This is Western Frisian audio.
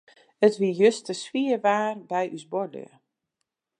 It wie juster swier waar by ús buorlju.